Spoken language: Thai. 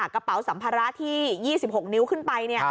กระเป๋าสัมภาระที่๒๖นิ้วขึ้นไป